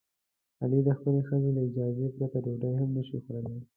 علي د خپلې ښځې له اجازې پرته ډوډۍ هم نشي خوړلی.